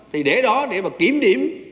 thì để đó để mà kiểm điểm